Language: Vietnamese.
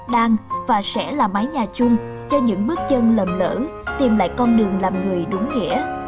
đang và sẽ là mái nhà chung cho những bước chân lầm lỡ tìm lại con đường làm người đúng nghĩa